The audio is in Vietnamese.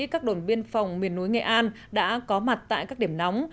các đồn biên phòng miền núi nghệ an đã có mặt tại các điểm nóng